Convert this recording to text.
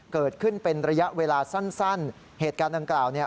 เกิดขึ้นเป็นระยะเวลาสั้นสั้นเหตุการณ์ดังกล่าวเนี่ย